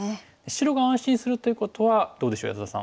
白が安心するということはどうでしょう安田さん。